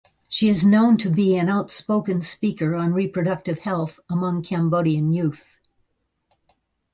She is known to be an outspoken speaker on reproductive health among Cambodian youth.